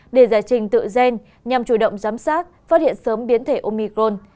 để giải trình tự gen nhằm chủ động giám sát phát hiện sớm biến thể omicron